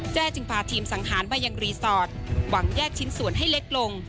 จึงพาทีมสังหารมายังรีสอร์ทหวังแยกชิ้นส่วนให้เล็กลง